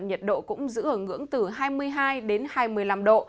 nhiệt độ cũng giữ ở ngưỡng từ hai mươi hai đến hai mươi năm độ